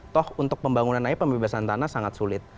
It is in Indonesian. toh untuk pembangunan aja pembebasan tanah sangat sulit